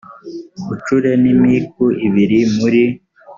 ucure n imiku ibiri muri